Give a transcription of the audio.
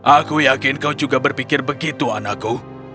aku yakin kau juga berpikir begitu anakku